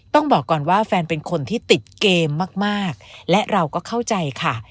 ต้องบอกก่อนว่าแฟนเป็นคนที่ติดเกมมากและเราก็เข้าใจค่ะ